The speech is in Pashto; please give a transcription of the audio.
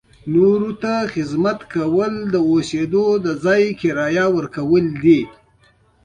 نورو ته خدمت کول د استوګنځي کرایه ورکول دي.